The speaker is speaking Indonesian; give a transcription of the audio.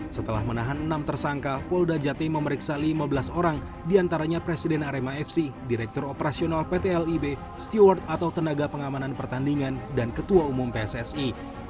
setelah menahan enam tersangka polda jati memeriksa lima belas orang diantaranya presiden arema fc direktur operasional pt lib steward atau tenaga pengamanan pertandingan dan ketua umum pssi